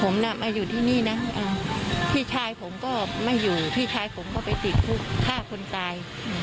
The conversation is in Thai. ผมน่ะมาอยู่ที่นี่นะพี่ชายผมก็ไม่อยู่พี่ชายผมก็ไปติดคุกฆ่าคนตาย